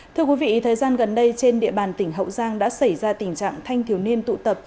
thưa quý vị thời gian gần đây trên địa bàn tỉnh hậu giang đã xảy ra tình trạng thanh thiếu niên tụ tập